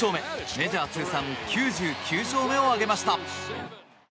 メジャー通算９９勝目を挙げました。